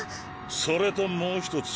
それともう１つ。